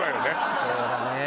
そうだねえ。